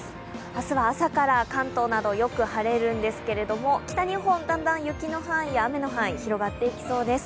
明日は朝から関東などよく晴れるんですけれども、北日本はだんだん雪や雨の範囲が広がっていきそうです。